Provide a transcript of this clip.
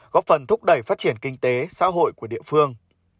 góp phần thúc đẩy phát triển kinh tế xã hội của địa phương